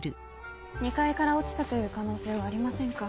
２階から落ちたという可能性はありませんか？